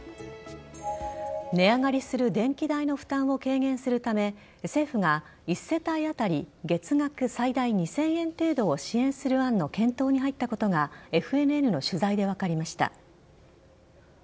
値上がりする電気代の負担を軽減するため政府が１世帯あたり月額最大２０００円程度を支援する案の検討に入ったことがＦＮＮの取材で分かりました。